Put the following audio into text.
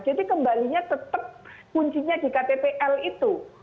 jadi kembalinya tetap kuncinya di ktpl itu